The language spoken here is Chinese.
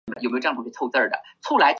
两站之间相距约。